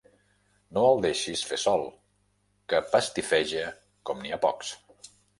No el deixis fer sol, que pastifeja com n'hi ha pocs.